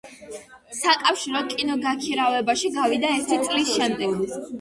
საკავშირო კინოგაქირავებაში გავიდა ერთი წლის შემდეგ.